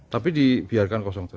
tapi dibiarkan kosong